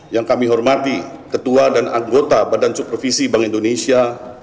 yang kami hormati ketua dan anggota badan supervisi bank indonesia